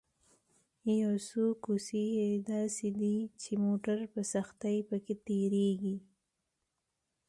یو څو کوڅې یې داسې دي چې موټر په سختۍ په کې تېرېږي.